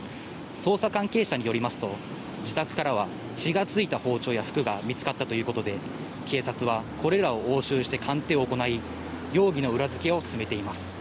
捜査関係者によりますと自宅からは血がついた包丁や服が見つかったということで、警察は、これらを押収して鑑定を行い、容疑の裏付けを進めています。